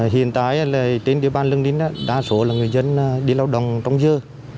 hiện tại trên địa bàn lương ninh đa số là người dân đi lao động trong dừa